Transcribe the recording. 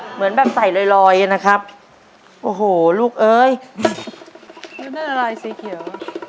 เหมือนแบบใส่ลอยนะครับโอ้โหลูกเอ้ยดูหน้าลายสีเขียว